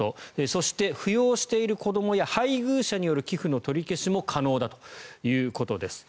そして、扶養している子どもや配偶者による寄付の取り消しも可能だということです。